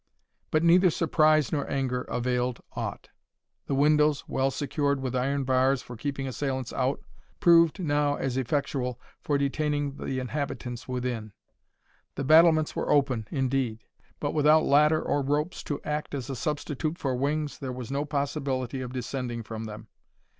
But neither surprise nor anger availed aught. The windows, well secured with iron bars for keeping assailants out, proved now as effectual for detaining the inhabitants within. The battlements were open, indeed; but without ladder or ropes to act as a substitute for wings, there was no possibility of descending from them.